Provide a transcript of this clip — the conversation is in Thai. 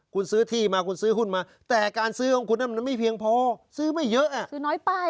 คุณซื้อที่มาคุณซื้อหุ้นมาแต่การซื้อของคุณนั้นมันไม่เพียงพอซื้อไม่เยอะซื้อน้อยไป